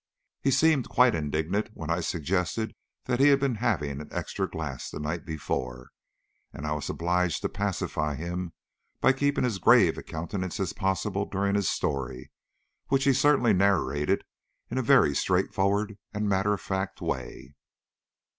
He seemed quite indignant when I suggested that he had been having an extra glass the night before, and I was obliged to pacify him by keeping as grave a countenance as possible during his story, which he certainly narrated in a very straight forward and matter of fact way.